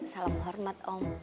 salam hormat om